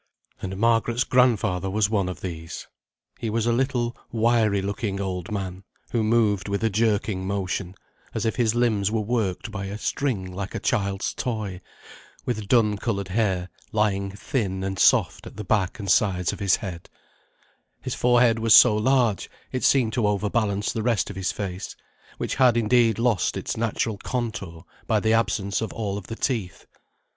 And Margaret's grandfather was one of these. He was a little wiry looking old man, who moved with a jerking motion, as if his limbs were worked by a string like a child's toy, with dun coloured hair lying thin and soft at the back and sides of his head; his forehead was so large it seemed to overbalance the rest of his face, which had indeed lost its natural contour by the absence of all the teeth.